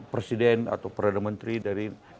presiden atau perdana menteri dari